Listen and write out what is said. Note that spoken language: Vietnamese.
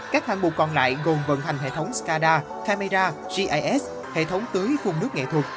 các hàng buộc còn lại gồm vận hành hệ thống scada camera gis hệ thống tưới khuôn nước nghệ thuật